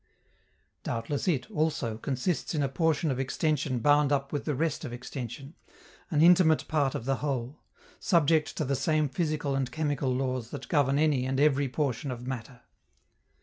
Doubtless it, also, consists in a portion of extension bound up with the rest of extension, an intimate part of the Whole, subject to the same physical and chemical laws that govern any and every portion of matter.